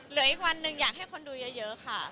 เหลืออีกวันหนึ่งอยากให้คนดูเยอะค่ะ